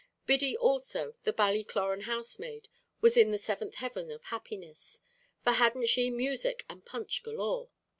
Biddy also, the Ballycloran housemaid, was in the seventh heaven of happiness for hadn't she music and punch galore?